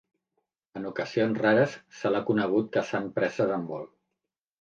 En ocasions rares se l'ha conegut caçant preses en vol.